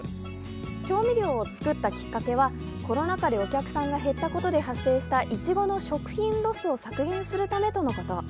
調味料を作ったきっかけは、コロナ禍でお客さんが減ったことで発生したいちごの食品ロスを削減するためとのこと。